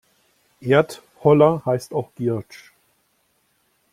Erdholler heißt auch Giersch.